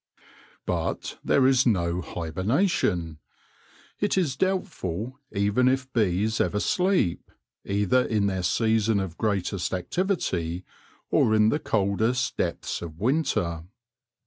But there is no hibernation. It is doubtful even if bees ever sleep, either in their season of greatest activity or in the coldest depths of winter.